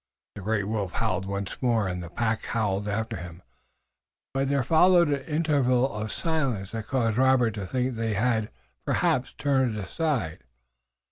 The great wolf howled once more and the pack howled after him, but there followed an interval of silence that caused Robert to think they had, perhaps, turned aside.